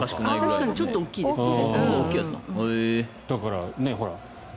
確かにちょっと大きいですね。